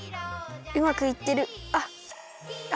うまくいってるあっああ！